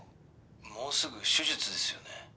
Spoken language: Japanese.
「もうすぐ手術ですよね？